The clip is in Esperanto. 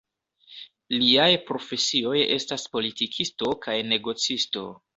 Liaj profesioj estas politikisto kaj negocisto.